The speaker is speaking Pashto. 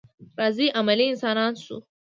راځئ عملي انسانان شو.